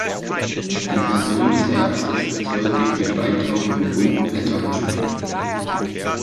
Die Person des Herbstes ist häufig mit Weintrauben und bunten Blättern geschmückt.